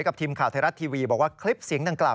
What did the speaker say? บอกว่าคลิปเสียงดังกล่าว